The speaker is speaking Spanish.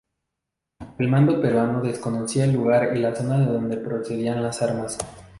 El mando peruano desconocía el lugar y la zona de donde procedían las armas.